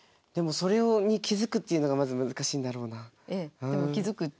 でもそれを気づくっていうのがまず難しいんだろうな。